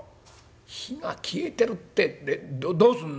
「火が消えてるってどうすんの？」。